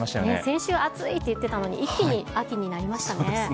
先週暑いって言ってたのに、一気に秋になりましたね。